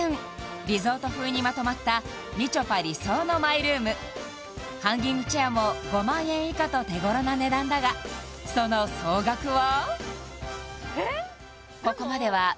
リゾート風にまとまったみちょぱ理想のマイルームハンギングチェアも５万円以下と手頃な値段だがその総額は？